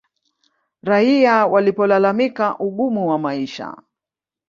Raia walipolalamika ugumu wa maisha